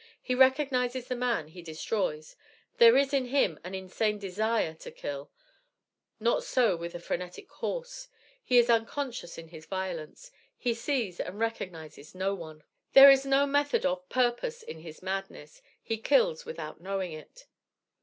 He recognizes the man he destroys. There is in him an insane desire to kill. Not so with the phrenetic horse. He is unconscious in his violence. He sees and recognizes no one. There is no method of purpose in his madness. He kills without knowing it.